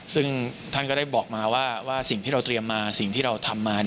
ซึ่งท่านก็ได้บอกมาว่าสิ่งที่เราเตรียมมาสิ่งที่เราทำมา